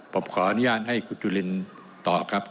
ผมขออนุญาตให้คุณจุลินตอบครับ